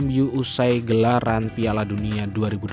m u usai gelaran piala dunia dua ribu dua puluh dua